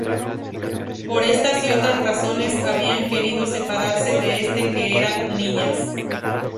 Por estas y otras razones, habían querido separarse desde que eran niñas.